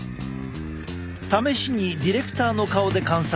試しにディレクターの顔で観察してみよう。